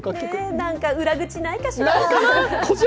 何か裏口ないかしら。